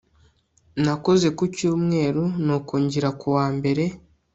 Nakoze ku cyumweru nuko ngira kuwa mbere